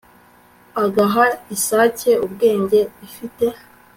agaha isake ubwenge ifite